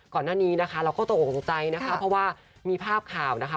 ก่อนหน้านี้นะคะเราก็ตกออกตกใจนะคะเพราะว่ามีภาพข่าวนะคะ